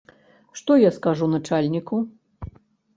Што я скажу начальніку?